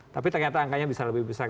tapi ternyata angkanya bisa lebih besar